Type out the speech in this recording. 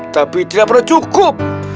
tapi tidak pernah cukup